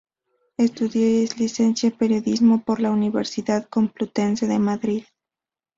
Estudió y es licenciada en periodismo por la Universidad Complutense de Madrid.